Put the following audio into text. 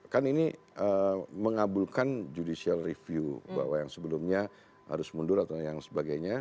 kan ini mengabulkan judicial review bahwa yang sebelumnya harus mundur atau yang sebagainya